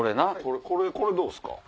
これどうっすか？